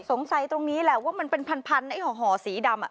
สงสัยตรงนี้แหละว่ามันเป็นพันไอ้ห่อสีดำ